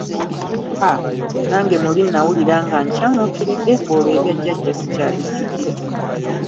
Haa! Nange muli nnawulira nga ncamuukiridde ng'olwo ebya jjajja ssikyabijjukira.